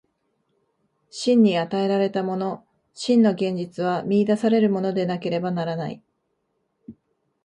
真に与えられたもの、真の現実は見出されるものでなければならない。